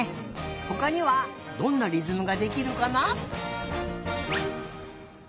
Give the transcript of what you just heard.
ほかにはどんなりずむができるかな？